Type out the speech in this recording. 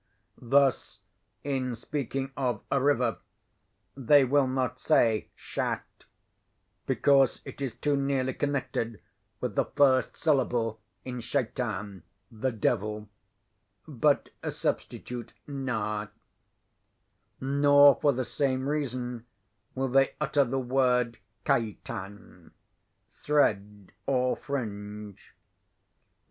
Thus, in speaking of a river, they will not say Shat, because it is too nearly connected with the first syllable in Sheitan, the devil; but substitute Nahr. Nor, for the same reason, will they utter the word Keitan, thread or fringe.